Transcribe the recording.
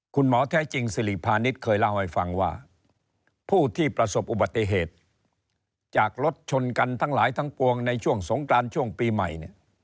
คุณหมอแท้จริงสิริพาณิชย์เคยเล่าให้ฟังว่าผู้ที่ประสบอุบัติเหตุจากรถชนกันทั้งหลายทั้งปวงในช่วงสงกรานช่วงปีใหม่